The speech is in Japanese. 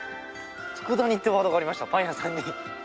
佃煮ってワードがありましたパン屋さんに。